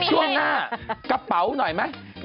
ช่วงหน้ากระเป๋าหน่อยไหม